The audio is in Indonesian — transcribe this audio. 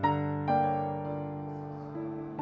ya sudah waktunya